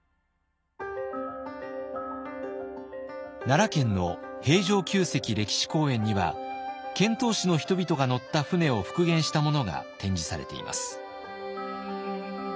奈良県の平城宮跡歴史公園には遣唐使の人々が乗った船を復元したものが展示されています。